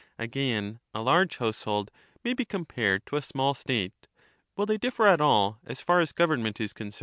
Again, a large household may be compared to a small statesmSi, state :— will they differ at all, as far as government is con master, Y.